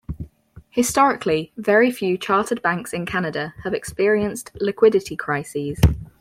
Historically, very few chartered banks in Canada have experienced liquidity crises.